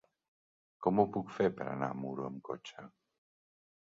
Com ho puc fer per anar a Muro amb cotxe?